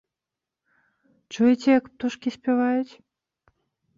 Чуеце, як птушкі спяваюць?